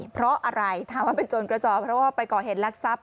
เพราะอะไรถามว่าเป็นโจรกระจอเพราะว่าไปก่อเหตุลักษัพ